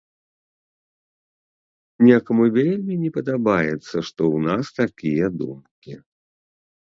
Некаму вельмі не падабаецца, што ў нас такія думкі.